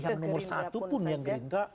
yang nomor satu pun yang gerindra